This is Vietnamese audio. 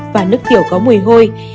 và nước tiểu có mùi hôi